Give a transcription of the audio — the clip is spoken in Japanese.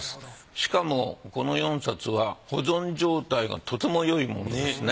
しかもこの４冊は保存状態がとてもよいものですね。